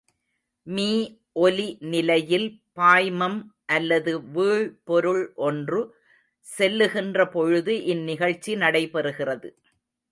மீஒலி நிலையில் பாய்மம் அல்லது வீழ்பொருள் ஒன்று செல்லுகின்ற பொழுது இந்நிகழ்ச்சி நடைபெறுகிறது.